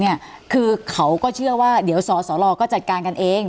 คือเขาก็เชื่อว่าเดี๋ยวสสลก็จัดการกันเอง